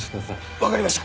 わかりました。